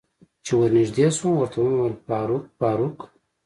چې ور نږدې شوم ورته مې وویل: فاروق، فاروق.